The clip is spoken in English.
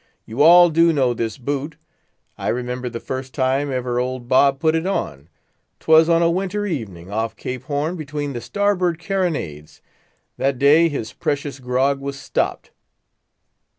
You all do know this boot. I remember the first time ever old Bob put it on. 'Twas on a winter evening, off Cape Horn, between the starboard carronades—that day his precious grog was stopped.